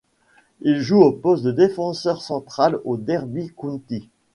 Il joue au poste de défenseur central au Derby County.